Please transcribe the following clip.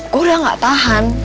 gue udah gak tahan